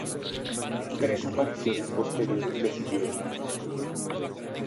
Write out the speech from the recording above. Tres apariciones posteriores le siguieron.